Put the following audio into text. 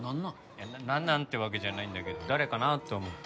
いやなんなん？ってわけじゃないんだけど誰かなって思って。